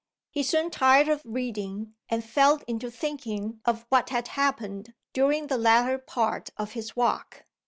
He soon tired of reading, and fell into thinking of what had happened during the latter part of his walk.